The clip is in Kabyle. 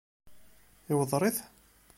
Iweddeṛ-it?